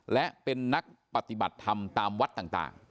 และเป็นนักปฏิบัติธรรมตามวัดต่าง